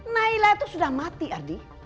naila itu sudah mati ardi